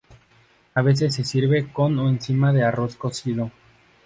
A veces se sirve con o encima de arroz cocido.